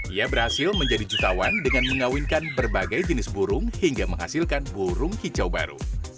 ia berhasil menjadi jutawan dengan mengawinkan berbagai jenis burung hingga menghasilkan burung kicau baru